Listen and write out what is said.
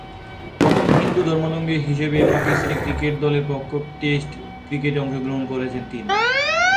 প্রথম হিন্দু ধর্মাবলম্বী হিসেবে পাকিস্তান ক্রিকেট দলের পক্ষে টেস্ট ক্রিকেটে অংশগ্রহণ করেছেন তিনি।